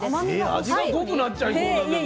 ⁉味が濃くなっちゃいそうだけど。